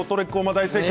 大正解